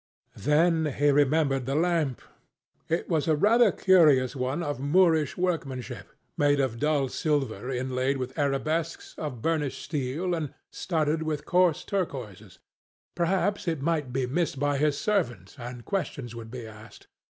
Then he remembered the lamp. It was a rather curious one of Moorish workmanship, made of dull silver inlaid with arabesques of burnished steel, and studded with coarse turquoises. Perhaps it might be missed by his servant, and questions would be asked.